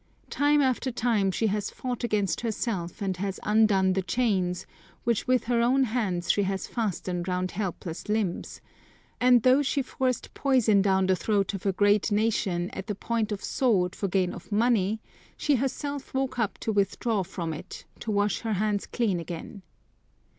Time after time she has fought against herself and has undone the chains, which with her own hands she had fastened round helpless limbs; and though she forced poison down the throat of a great nation at the point of sword for gain of money, she herself woke up to withdraw from it, to wash her hands clean again.